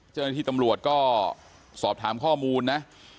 เจ้าหน้าที่ตำรวจก็สอบถามข้อมูลนะ